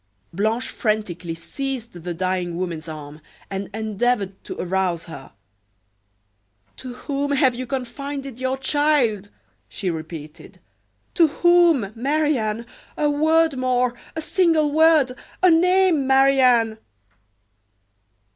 Blanche frantically seized the dying woman's arm, and endeavored to arouse her. "To whom have you confided your child?" she repeated; "to whom? Marie Anne a word more a single word a name, Marie Anne!"